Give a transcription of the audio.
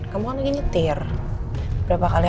kamu kan ingin nyetir berapa kali